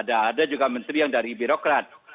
ada juga menteri yang dari birokrat